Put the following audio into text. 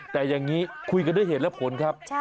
แต่อย่างนี้คุยกันด้วยเหตุและผลครับ